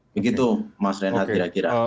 begitu mas renhat kira kira